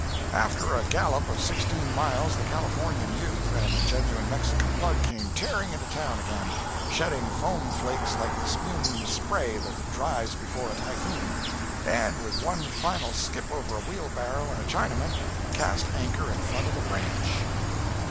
After a gallop of sixteen miles the Californian youth and the Genuine Mexican Plug came tearing into town again, shedding foam flakes like the spume spray that drives before a typhoon, and, with one final skip over a wheelbarrow and a Chinaman, cast anchor in front of the "ranch."